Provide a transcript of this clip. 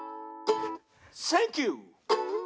「センキュー！」